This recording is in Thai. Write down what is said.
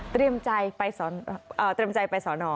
เตรียมใจไปสอนอออเตรียมใจไปสอนออ